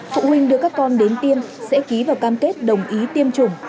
phụ huynh đưa các con đến tiêm sẽ ký vào cam kết đồng ý tiêm chủng